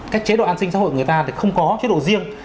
cái chế độ an sinh xã hội của người ta thì không có chế độ riêng